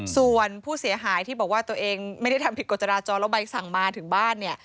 ส่วนผู้เสียหายที่บอกว่าตัวเองไม่ได้ทำผิดกฎจราจรแล้วใบสั่งมาถึงบ้านเนี่ย